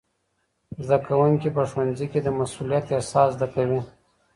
زدهکوونکي په ښوونځي کي د مسئولیت احساس زده کوي.